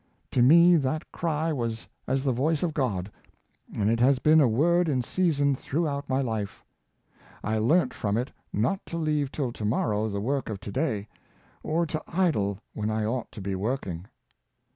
To me that cry was as the voice of God, and it has been a word in sea son throughout my life. I learnt from it not to leave till to morrow the work of to day, or to idle when I ought to be working."